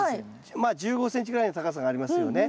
まあ１５ｃｍぐらいの高さがありますよね。